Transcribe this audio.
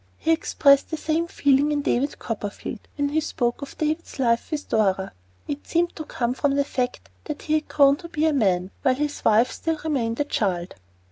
He expressed the same feeling in David Copperfield, when he spoke of David's life with Dora. It seemed to come from the fact that he had grown to be a man, while his wife had still remained a child.